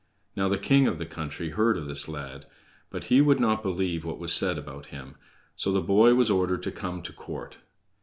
Now the king of the country heard of this lad, but he would not believe what was said about him, so the boy was ordered to come to court.